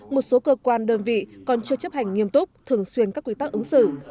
một số cơ quan đơn vị còn chưa chấp hành nghiêm túc thường xuyên các quy tắc ứng xử